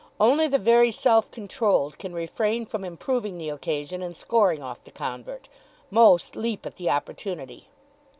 Only the very self controlled can refrain from improving the occasion and scoring off the convert. Most leap at the opportunity.